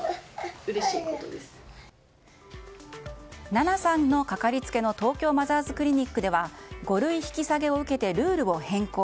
奈々さんのかかりつけの東京マザーズクリニックでは５類引き下げを受けてルールを変更。